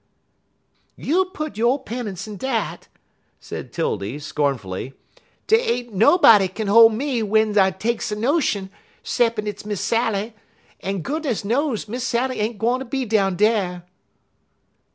"You put yo' pennunce in dat!" said 'Tildy, scornfully. "Dey ain't nobody kin hol' me w'en I takes a notion, 'cep'n hit's Miss Sally; en, goodness knows, Miss Sally ain't gwine ter be down dar."